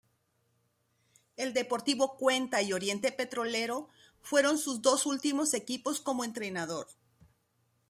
El Deportivo Cuenca y Oriente Petrolero fueron sus dos últimos equipos como entrenador.